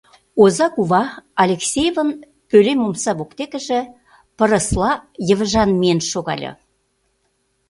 Оза кува Алексеевын пӧлем омса воктекыже пырысла йывыжан миен шогале.